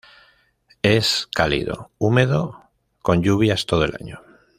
Es cálido húmedo con lluvias todo el año.